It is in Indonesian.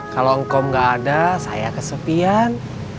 kalau engkom gak ada saya kesepian